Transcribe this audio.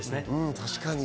確かに。